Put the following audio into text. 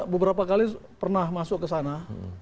beberapa kali pernah masuk kesana